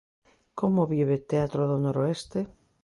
Como vive Teatro do Noroeste?